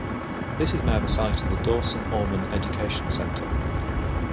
This is now the site of the Dawson Orman Education Center.